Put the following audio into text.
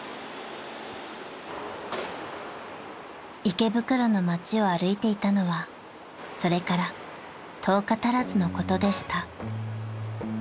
［池袋の街を歩いていたのはそれから１０日足らずのことでした］